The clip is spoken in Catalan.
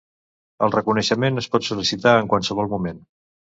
El reconeixement es pot sol·licitar en qualsevol moment.